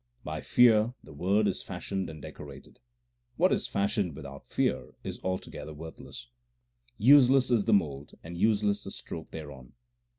By fear the Word is fashioned and decorated. What is fashioned without fear is altogether worthless : Useless is the mould and useless the stroke thereon.